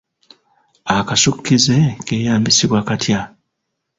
Akasukkize keeyambisibwa katya?